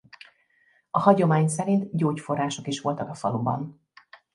A hagyomány szerint gyógyforrások is voltak a faluban.